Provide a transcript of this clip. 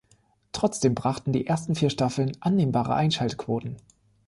Trotzdem brachten die ersten vier Staffeln annehmbare Einschaltquoten.